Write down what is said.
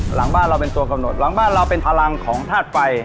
หลังบ้านเราเป็นตัวกำหนดหลังบ้านเราเป็นพลังของธาตุไฟ